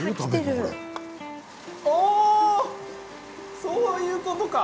おお、そういうことか！